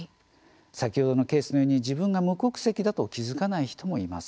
先ほどのケースのように、自分が無国籍だと気付かない人もいます。